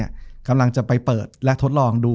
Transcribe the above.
จบการโรงแรมจบการโรงแรม